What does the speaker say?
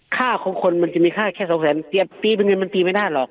ค่าของคนมันจะมีค่าแค่สองแสนเจ็บปีเป็นเงินมันตีไม่ได้หรอก